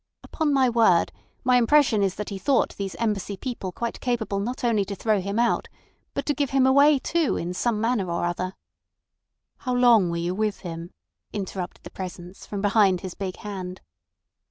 Upon my word, my impression is that he thought these Embassy people quite capable not only to throw him out but, to give him away too in some manner or other—" "How long were you with him," interrupted the Presence from behind his big hand.